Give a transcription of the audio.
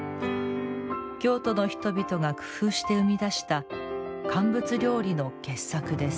京都の人々が工夫して生み出した乾物料理の傑作です。